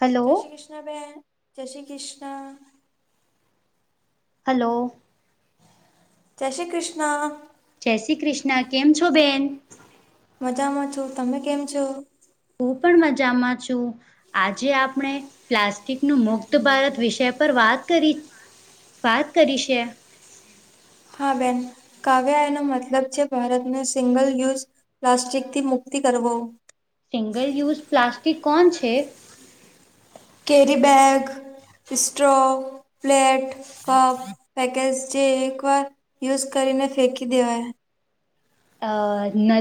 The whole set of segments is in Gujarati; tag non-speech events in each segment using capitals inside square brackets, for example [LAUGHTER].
હલો જય શ્રી કૃષ્ણ બેન જય શ્રી કૃષ્ણ હલો જય શ્રી કૃષ્ણ જય શ્રી કૃષ્ણ કેમ છો બેન મજામાં છું તમે કેમ છો? હું પણ મજામાં છું આજે આપણે પ્લાસ્ટિક નુ મુક્ત ભારત વિષય પર વાત કરી વાત કરીશે હા બેન કાવ્ય એનો મતલબ છે ભારતને સિંગલ યુઝ પ્લાસ્ટિક થી મુક્તિ કરવો સિંગલ યુઝ પ્લાસ્ટિક કોન છે? Carry bag strong plate cup package જે એક વાર યુઝ કરીને ફેંકી દેવાય અ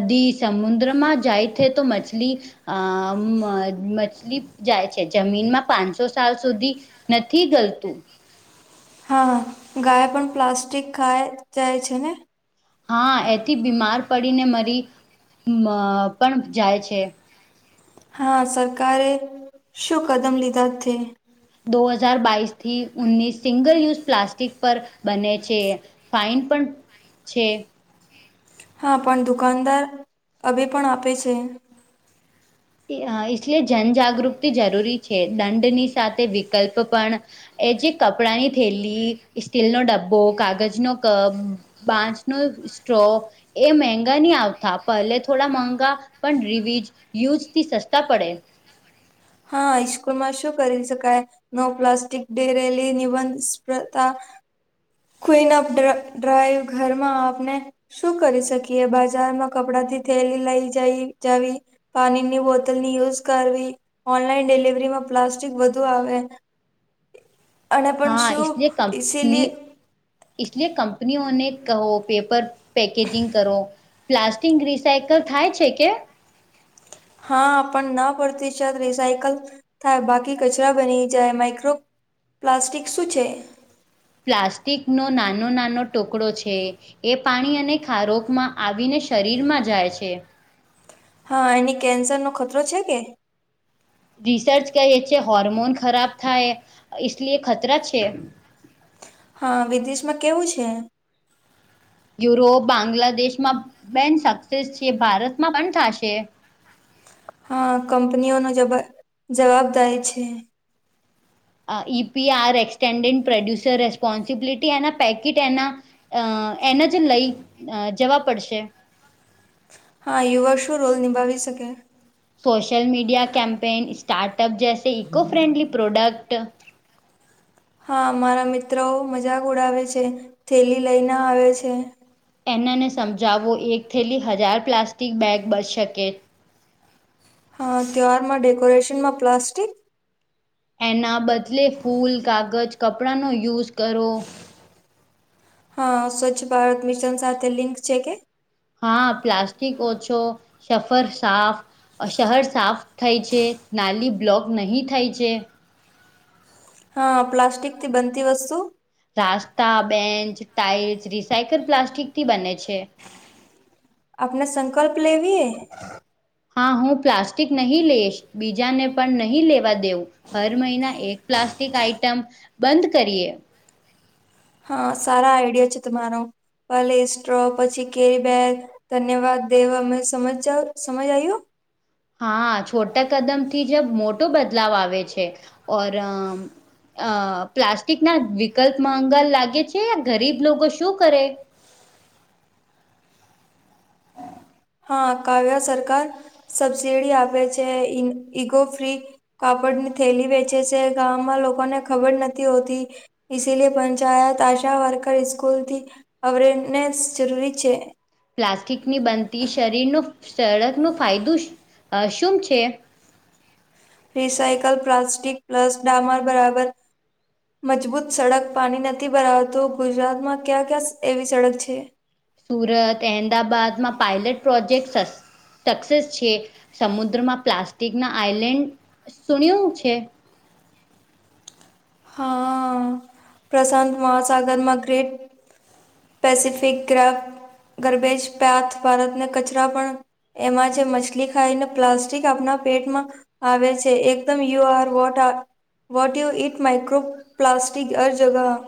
નદી સમુદ્રમાં જાય છે તો મછલી અ મછલી જાય છે જમીનમાં પાંનસો સાલ સુધી નથી ગલતું હા ગાય પન પ્લાસ્ટિક ખાય જાય છે ને હા એથી બીમાર પડીને મરી પણ જાય છે હા સરકારે શું કદમ લીધા થે દો હજાર બાઈસ થી ઉનીસ સિંગલ યુઝ પ્લાસ્ટિક પર બને છે ફાઇન પન છે હા પણ દુકાનદાર હવે પણ આપે છે [UNINTELLIGIBLE] જન જાગૃતિ જરૂરી છે દંડની સાથે વિકલ્પ પણ એ જે કપડાની થેલી સ્ટીલનો ડબ્બો કાગજનો કપ બાચનો સ્ટ્રોં એ મંગા ની આવતા પહેલે થોડા મંગા પણ રિવિઝ યુઝ થી સસ્તા પડે હા ઈસ્કૂલમાં શું કરી શકાય નો પ્લાસ્ટિક ઢેરેલી નિબંધ સ્પર્ધા ક્વિનઅપ ડ્રાઈવ ઘરમાં આપને શું કરી શકીએ બાજારમાં કપડા થી થેલી લઈ જઈ જવી પાણીની બોતલની યુઝ કરવી ઓનલાઈન ડિલિવરીમાં પ્લાસ્ટિક વધુ આવે અને પણ શું ઈસીલી ઇસલિયે કંપનીઓને કહો પેપર પેકેજિંગ કરો પ્લાસ્ટિક રિસાયકલ થાય છે કે હા પણ ના પડતી શત રિસાયકલ થાય બાકી કચરા બની જાય માઇક્રો પ્લાસ્ટિક સૂ છે પ્લાસ્ટિક નો નાનો નાનો ટુકડો છે એ પાણી અને ખારોખમાં આવીને શરીરમાં જાય છે હા એની કેન્સર નો ખતરો છે કે- રિસર્ચ કરીએ છે હોર્મોન ખરાબ થાય લી ખતરા છે. હા વિદેશમાં કેવું છે. યુરોપ બાંગ્લાદેશમાં બેન સક્સેસ છે. ભારતમાં પણ થશે- હા કંપનીઓ ન [UNINTELLIGIBLE] જવા જવાબદારિ છે. E P R extended producer responsibility એના પેકીટ એના- અ એને જ લઈ જવા પડશે- હા યુવા શું રોલ નિભાવી શકે- સોશલ મીડિયા કેમ્પેન સ્ટાર્ટઅપ જૈસે ઇકો ફ્રેન્ડલી પ્રોડક્ટ- હા મારા મિત્રો મજાક ઉડાવે છે થેલી લઈને આવે છે. એનાને સમજાવવો એક થેલી હજાર પ્લાસ્ટિક બેગ બચ શકે- હા ત્યોહારમાં ડેકોરેશનમાં પ્લાાસ્ટિક- એના બદલે ફૂલ કાગજ કપડાંનો યુઝ કરો- હા સ્વચ્છ ભારત મિશન સાથે લિંક છે કે- હા પ્લાસ્ટિક ઓછો સફર સાફ- શહેર સાફ થાય છે નાલી બ્લોક નહીં થાય છે. હા પ્લાસ્ટિક થી બનતી વસ્તુ- રાસ્તા બેન્ચ ટાાઈલ્સ રિસાયકલ પ્લાસ્ટિક થી બને છે. આપણે સંકલ્પ લેવીએ- હા હું પ્લાસ્ટિક નહીં લઈશ બીજાને પણ નહીં લેવા દેઉ- હર મહિના એક પ્લાસ્ટિક આઈટમ બંધ કરીએ- હા સારા આઈડિયા છે તમારો ભલે સ્ટ્રો પછી કેરી બેગ- ધન્યવાદ દેવમે સમજ જા સમજ આયયો- હા છોટા કદમથી જબ મોટો બદલાવ આવે છે. ઓર- અ પ્લાસ્ટિક ના વિકલ્પમાંંગાર લાગે છે ગરીબ લોકો શું કરે- હા કાવ્ય સરકાર સબસીડી આપે છે. ઈગો ફ્રી- કાપડ ની થેલી વેચે છે ગામમાં લોકોને ખબર નથી હોતી- લિ પંચાયત આશા વર્કર સ્કૂલથી અવેરનેસ જરૂરી છે. પ્લાસ્ટિકની બનતી શરીરનો સળક ન ફાયદો શું છે. રિસાઇકલ પ્લાસ્ટિક પ્લસ ડામર બરાબર- મજબૂત સડક પાણી નથી ભરાવતો ગુજરાતમાં ક્યાં ક્યા એવી સડક છે. સુરત અહેમદાબાદમાં પાયલટ પ્રોજેક્ટ્સ અસ- સક્સેસ છે સમુદ્રમાં પ્લાસ્ટિક ના આઈલેન્ડ સુણ્યું છે. હા પ્રશાંત મહાસાગરમાં ગ્રેટ- પેસિફિક ગ ગર્બેજ પેથ ભારતને કચરા પણ- એમાં જે મછલી ખાઈને પ્લાસ્ટિક આપણા પેટમાં- આવે છે એકદમ યુ આર વોટ આ- વોટ યુ ઇટ માઇક્રોપ્લાસ્ટિક હર જગહ-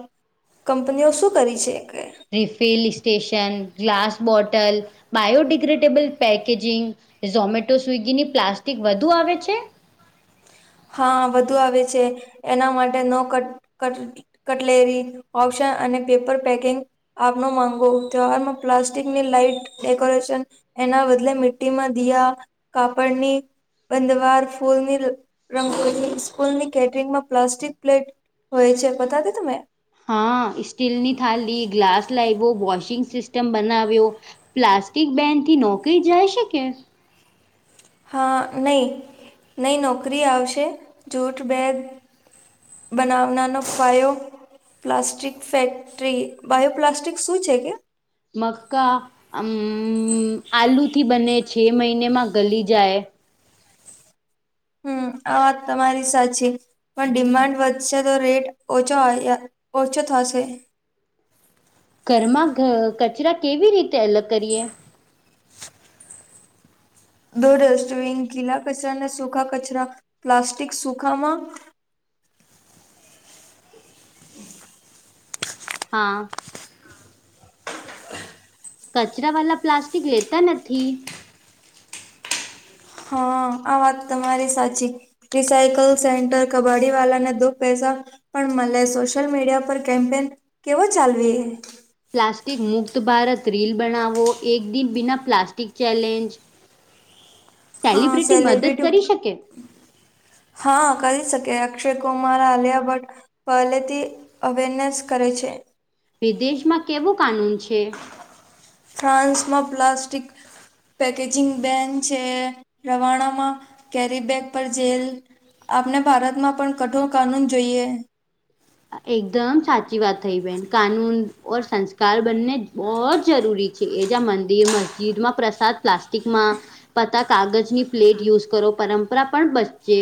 કંપનીઓ શું કરી છે એક- refill station glass bottle- biodegradable packaging Zomato સ્વિગીની પ્લાસ્ટિક વધુ આવે છે- હા વધુ આવે છે એના માટે ન- કટલેરી ઓપ્શન અને પેપર પેકિંગ- આપનો માંગો તહેવારમાં પ્લાસ્ટિકની લાઈટ ડેકોરેશન- એના બદલે મિટીમાં દયા કાપડની બંધવાર ફૂલની- રંગો સ્કૂલની કેટરિંગમાં પ્લાસ્ટિક પ્લેટ હોય છે. બતા દ તમે- હા સ્ટીલની થાળલી ગ્લાસ લાવ્યો વોશિંગ સિસ્ટમ બનાવ્યો- પ્લાસ્ટિક બેનથી નોકરી જાય શકે? હા નહીં નહીં નોકરી આવશે જૂઠ બેગ- બનાવનાનો પાયો- પ્લાસ્ટિક ફેક્ટરી બાયોપ્લાસ્ટિક શું છે કે મક્કા અમમ આલુથી બને છે મહિનેમાં ગલી જાય હમ્મ આ વાત તમારી સાચી પણ ડિમાન્ડ વધશે તો રેટ ઓછો ઓછો થશે ઘરમાં ઘ કચરા કેવી રીતે અલગ કરીએ દો ડસ્ટબીન ગીલા કચરાના સૂખા કચરા પ્લાસ્ટિક સુખામાં હા કચરા વાલા પ્લાસ્ટિક લેતા નથી હા આ વાત તમારી સાચી રિસાાઈકલ સેન્ટર કબા્ડી વાલા ને દો પૈસા પણ મને સોશિયલ મીડિયા પર કેમ્પેન કેવો ચાલવી પ્લાસ્ટિક મુક્ત ભારત રીલ બનાવો એક દિન બિના પ્લાસ્ટિક ચેલેન્જ સેલિબ્રિટી મદદ કરી શકે હા કરી શકે અક્ષય કુમાર આલિયા ભટ્ટ પહેલેથી અવેરનેસ કરે છે વિદેશમાં કેવું કાનૂન છે ફ્રાન્સમાં પ્લાસ્ટિક પેકેજિંગ બેન છે રવાનામાં કેરી બેગ પર જેલ આપણે ભારતમાં પણ કઠોર કાનૂન જોઈએ એકદમ સાચી વાત થઈ બેન કાનૂન ઓ સંસ્કાર બનને બહો જરૂરી એ જ મંદિર મસ્જિદમાં પ્રસાદ પ્લાસ્ટિકમાં પતા કાગજની પ્લેટ યુઝ કરો પરંપરા પણ બચચે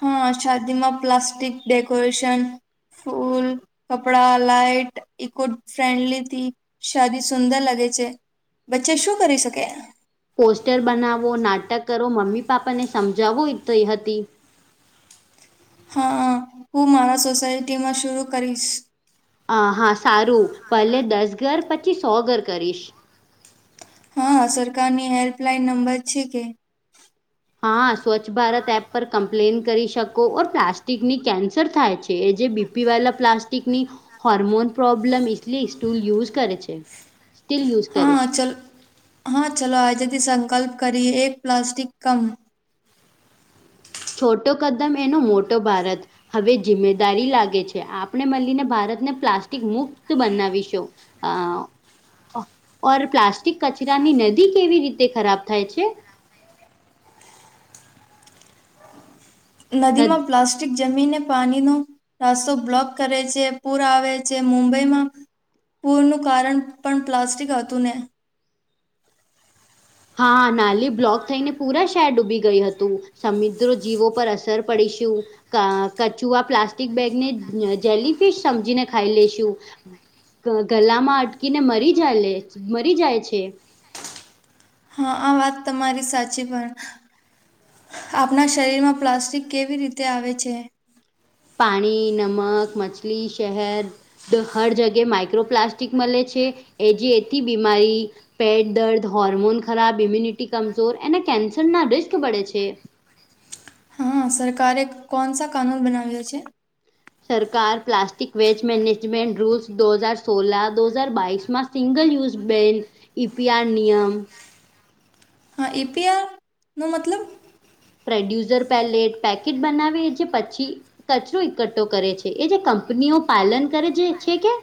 હા શાદીમાં પ્લાસ્ટિક ડેકોરેશન ફૂલ કપડા લાાઈટ ઇકો ફ્રેન્ડલી થી શદી સુંદર લાગે છે વચ્ચે શું કરી શકે પોસ્ટર બનાવો નાટક કરો મમ્મી પાપાને સમજાવો હતી હા હું મારા સોસાયટીમાંસુરુ કરીશ હ હા સારું પચી દસ ઘર પછી સો ઘર કરીશ હા સરકારની હેલ્પલાઈન નંબર છે કે હા સ્વચ્છ ભારત એપ પર કમ્પ્લેન કરી શકો ઓર પ્લાસ્ટિકની કેન્સર થાય છે એ જે બી બીપીવાલા પ્લાસ્ટિક ની હોર્મોન પ્રોબ્લેમ ઇલી સ્ટૂલ યુઝ કરે છે સ્ટીલ યુઝ કરે હા છે ચાલ હા ચાલો આજથી સંકલ્પ કરીએ એક પ્લાસ્ટિક કમ છોટો કદમ એનો મોટો ભારત હવે જિમ્મેદારી લાગે છે આપણે મળીને ભારતને પ્લાસ્ટિક મુક્ત બનાવીશું અ ઓર પ્લાસ્ટિક કચરાની નદી કેવી રીતે ખરાબ થાય છે નદ નદીમાં પ્લાસ્ટ જમીનને પાણીનો રસ્તો બ્લોક કરે છે પૂર આવે છે મુંબઈમાં પૂરનું કારણ પણ પ્લાસ્ટિક હતું ને હા નાલી બ્લોક થઈને પૂરા શાર ડૂબી ગઈ હતું સમુદ્ર જીવો પર અસર પડીશું કચુઆ પ્લાસ્ટિક બેગને જેલીફિશ સમજીને ખાઈ લઈેશું ગલામાં અટકીને મરી જાય મરી જાય છે હા આ વાત તમારી સાચી પણ આપણા શરીરમાં પ્લાસ્ટિક કેવી રીતે આવે છે પાણી નમક મછલી શહર હર જગ્યા માઈક્રોપ્લાસ્ટિક મળે છે એ જે એથી બીમારી પેટ દર્દ હોર્મોન ખરાબ ઇમ્યુનિટી કમજોર એ કેન્સર ના રિસ્ક બડે છે હા સરકારે કોનસા કાનૂન બનાવયા છે સરકાર પ્લાસ્ટિક વેસ્ટ મેનેજમેન્ટ રૂલ્સ દો હજાર સોલા દો હજાર બાઇસમાં સિંગલ યુઝ બેન ઈપીઆર નિયમ હા એપીઆર નો મતલબ પ્રોડ્યુસર પેલેટ પેકેટ બનાવી છે પછી. કચરો એકઠઠો કરે છે એ જે કંપનીઓ પાલન કરે છે છે કે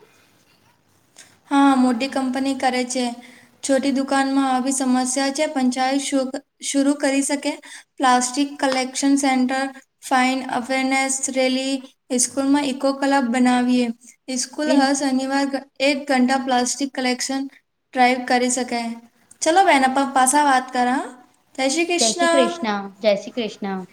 હા મોટી કંપની કરે છે. છોટી દુકાનમાં આવી સમસ્યા છે પંચાયત શો શુરૂ કરી શકે. Plastic collection centre. Fine awareness rally સ્કૂલમાં ઇકો કલબ બનાવીએ. ઈસ્કૂલ બિલ હ શનિવાર એક ઘંટા પ્લાસ્ટિક કલેક્શન ડ્રાઈવ કરી શકાય ચાલલો બેહેન આપા પાછા વાત કર જય શ્રી કૃષ્ણ જય શ્રી કૃષ્ણ.